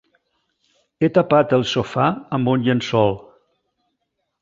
He tapat el sofà amb un llençol.